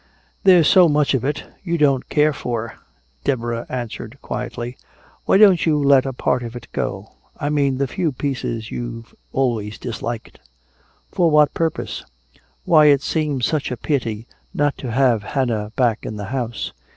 "There's so much of it you don't care for," Deborah answered quietly. "Why don't you let a part of it go? I mean the few pieces you've always disliked." "For what purpose?" "Why, it seems such a pity not to have Hannah back in the house.